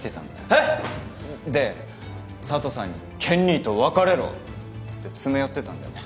えっ！？で佐都さんに健兄と別れろっつって詰め寄ってたんだよね。